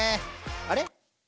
あれ？